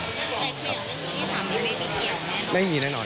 แต่เพียงนั้นมีสามที่ไม่มีเพียงแน่นอน